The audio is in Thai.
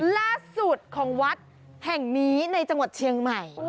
ล่าสุดของวัดแห่งนี้ในจังหวัดเชียงใหม่